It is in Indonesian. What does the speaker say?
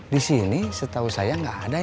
di sini setahu saya